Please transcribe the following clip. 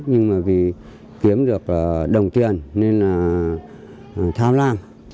nhưng mà vì kiếm được đồng tiền nên là tham lam